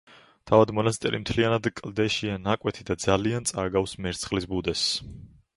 თავად მონასტერი მთლიანად კლდეშია ნაკვეთი და ძალიან წააგავს მერცხლის ბუდეს.